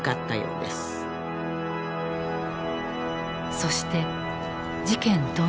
そして事件当日。